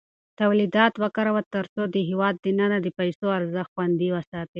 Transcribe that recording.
تولیدات وکاروه ترڅو د هېواد په دننه کې د پیسو ارزښت خوندي وساتې.